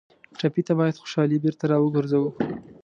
ټپي ته باید خوشالي بېرته راوګرځوو.